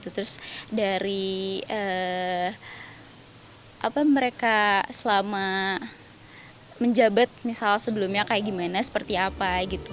terus dari mereka selama menjabat misal sebelumnya kayak gimana seperti apa gitu